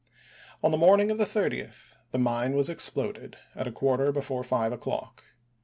On the morning of the 30th the mine was ex ploded at a quarter before five o'clock.